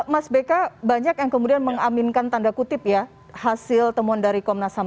mas bk banyak yang kemudian mengaminkan tanda kutip ya hasil temuan dari komnasam